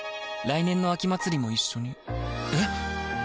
来年の秋祭も一緒にえ